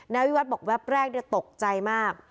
แนววิวัฒน์บอกแวบแรกตกใจมาก